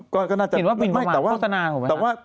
ก็น่าจะงั้นตามว่าภีมรับบินประมาทโฆษณาหรือไหมฮะ